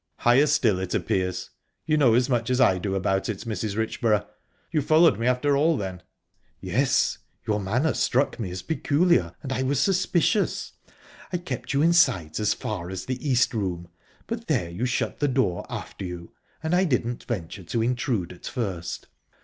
"_ "Higher still, it appears. You know as much as I do about it, Mrs. Richborough...You followed me after all, then?" "Yes. Your manner struck me as peculiar, and I was suspicious. I kept you in sight as far as the East Room, but there you shut the door after you, and I didn't venture to intrude at first.